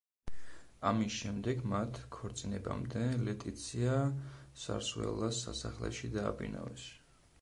ამის შემდეგ მათ ქორწინებამდე ლეტიცია სარსუელას სასახლეში დააბინავეს.